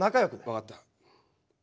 分かった。